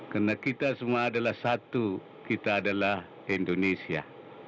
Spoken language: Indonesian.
karena kita semua adalah satu kita adalah indonesia